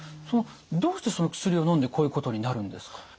どうしてその薬をのんでこういうことになるんですか？